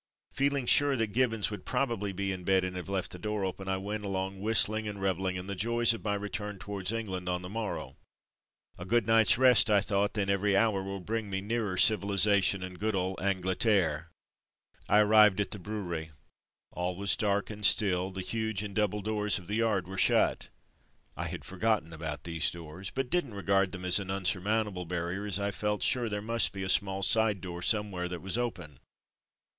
Feeling sure that Gibbons would probably be in bed and have left the door open, I went along whistling and revelling in the joys of my return towards England on the morrow. A good night's rest, I thought, then every hour will bring me nearer civilization and good old Angleterre. I arrived at the brewery; all was dark and still, the huge and double doors of the yard were shut. I had forgotten about these doors, but didn't regard them as an unsurmountable barrier as I felt sure that there must be a small side door somewhere that was open.